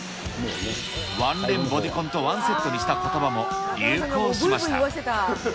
ワンレンボディコンと、ワンセットにしたことばも流行しました。